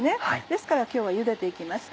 ですから今日は茹でて行きます。